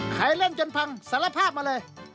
ใครเล่นจนพังสารภาพมาเลย